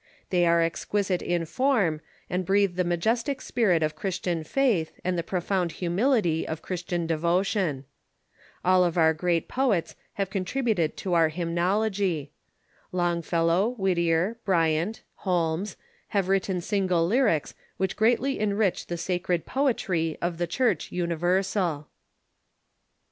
They are exquisite in form, and breathe the majestic spirit of Christian faith and the profound humility of Christian devotion. All of our great poets have contributed to our hymnology. Longfellow, Whittier, Brvant, Holmes, have written single lyrics which greatly enrich the sacred poetry of the Church Universal.